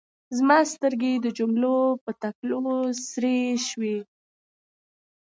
زما سترګې د جملو په کتلو سرې شوې.